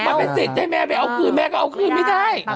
มันเป็นสิทธิ์ให้แม่ไปเอาคืนแม่ก็เอาคืนไม่ได้